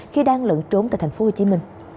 khi đang lận trốn tại tp hcm